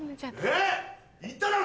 言っただろ？